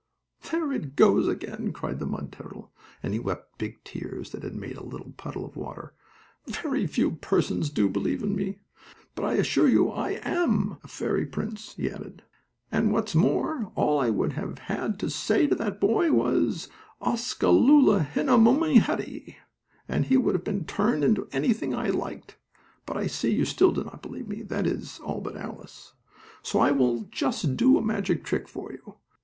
"There it goes again!" cried the mud turtle, and he wept big tears that made a little puddle of water. "Very few persons do believe in me. But I assure you I am a fairy prince," he added, "and, what's more, all I would have had to say to that boy was 'Oskaluluhinniumhaddy,' and he would have been turned into anything I liked. But I see you still do not believe me that is, all but Alice. So I will just do a magic trick for you.